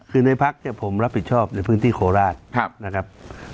คือในพักเนี่ยผมรับผิดชอบในพื้นที่โคราชนะครับ